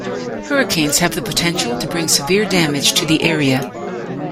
Hurricanes have the potential to bring severe damage to the area.